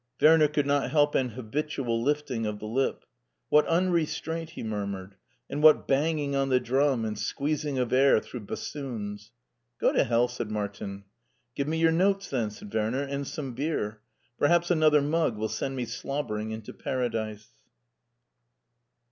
Werner could not help an habitual lifting of the lip. What unrestraint," he murmured, " and what banging on the drum and squeezing of air through bassoons !" "Gotohell!" said Martin. "Give me your notes then," said Werner, "and some more beer. Perhaps another mug will send me slobbering into Paradise."